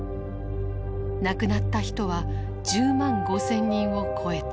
亡くなった人は１０万５，０００人を超えた。